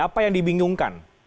apa yang dibingungkan